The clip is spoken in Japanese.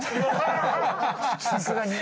さすがに。